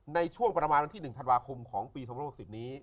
ในช่วงประมาณวันที่๑ธันวาคมของปี๒๐๖๐นี้